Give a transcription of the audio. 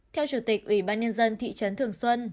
theo chủ tịch ủy ban nhân dân thị trấn thường xuân